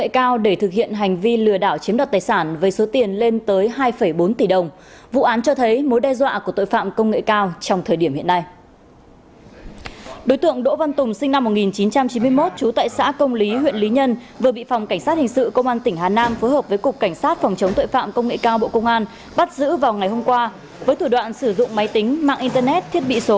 các bạn hãy đăng ký kênh để ủng hộ kênh của chúng mình nhé